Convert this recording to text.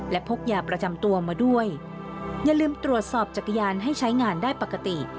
และพกยาประจำตัวมาด้วยอย่าลืมตรวจสอบจักรยานให้ใช้งานได้ปกติ